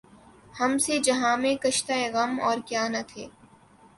ہم سے جہاں میں کشتۂ غم اور کیا نہ تھے